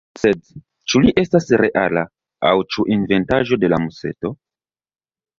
Sed ĉu li estas reala, aŭ ĉu inventaĵo de la museto?